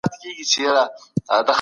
حقيقت تل تريخ نه وي.